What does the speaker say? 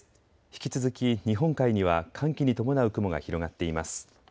引き続き日本海には寒気に伴う雲が広がっています。